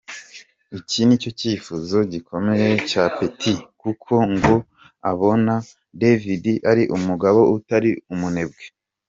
Iki ni icyifuzo gikomeye cya Pitt kuko ngo abona David ari umugabo utari umunebwe.